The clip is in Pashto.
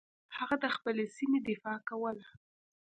هغه د خپلې سیمې دفاع کوله.